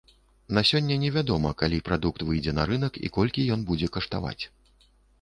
На сёння невядома, калі прадукт выйдзе на рынак і колькі ён будзе каштаваць.